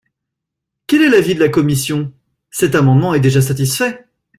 Quel est l’avis de la commission ? Cet amendement est déjà satisfait.